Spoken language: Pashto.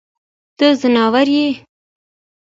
ته ځناور يې.